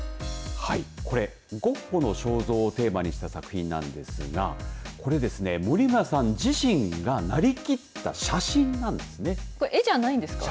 これ、ゴッホの肖像をテーマにした作品なんですがこれですね、森村さん自身が絵じゃないんですか。